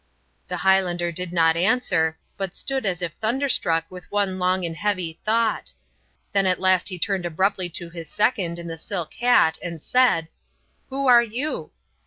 The Highlander did not answer, but stood as if thunderstruck with one long and heavy thought. Then at last he turned abruptly to his second in the silk hat and said: "Who are you?"